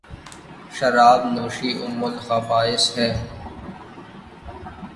شراب نوشی ام الخبائث ہےـ